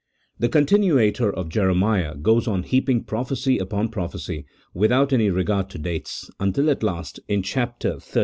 The contirmator of Jere miah goes on heaping prophecy upon prophecy without any regard to dates, until at last, in chap, xxxviii.